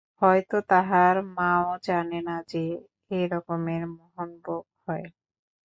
হয়তো তাহার মাও জানে না যে, এ রকমের মোহনভোগ হয়!